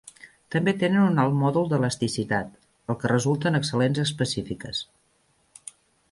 També tenen un alt mòdul d'elasticitat, el que resulta en excel·lents específiques.